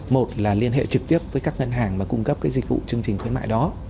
một là liên hệ trực tiếp với các ngân hàng mà cung cấp cái dịch vụ chương trình khuyến mại đó